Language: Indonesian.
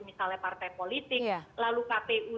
misalnya partai politik lalu kpu